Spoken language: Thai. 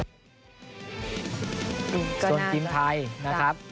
ส่วนทีมไทยนะครับ